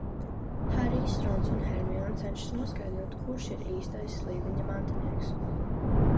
Harijs, Rons un Hermione cenšas noskaidrot, kurš ir īstais Slīdeņa mantinieks.